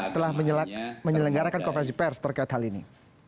telah menyelenggarakan konferensi pers terkait hal ini